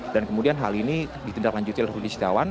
dan kemudian hal ini ditindaklanjuti oleh rudy setiawan